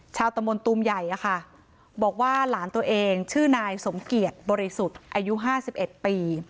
ตะมนตูมใหญ่อะค่ะบอกว่าหลานตัวเองชื่อนายสมเกียจบริสุทธิ์อายุ๕๑ปี